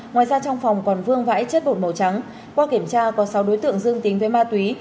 ngoài ra trong phòng còn vương vãi chất bột màu trắng qua kiểm tra có sáu đối tượng dương tính với ma túy